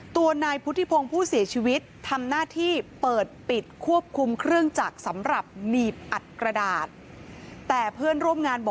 ตัวนายพุทธิพงศ์ผู้เสียชีวิตทำหน้าที่เปิดปิดควบคุมเครื่องจักร